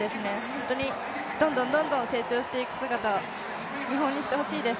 本当にどんどん成長していく姿見本にしてほしいです。